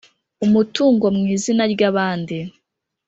Umutungo mu izina ry abandi